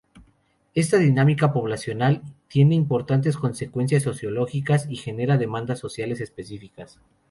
Esta dinámica poblacional tiene importantes consecuencias sociológicas y genera demandas sociales específicas.